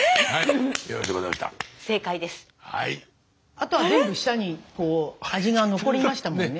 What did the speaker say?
あとは全部舌に味が残りましたもんね。